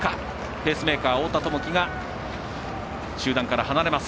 ペースメーカー、太田智樹が集団から離れます。